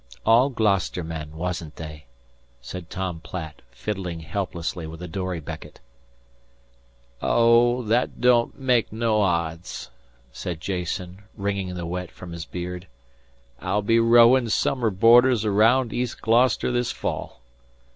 "All Gloucester men, wasn't they?" said Tom Platt, fiddling helplessly with a dory becket. "Oh, that don't make no odds," said Jason, wringing the wet from his beard. "I'll be rowin' summer boarders araound East Gloucester this fall."